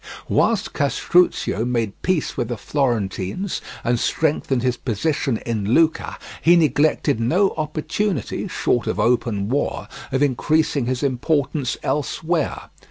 Whilst Castruccio made peace with the Florentines, and strengthened his position in Lucca, he neglected no opportunity, short of open war, of increasing his importance elsewhere.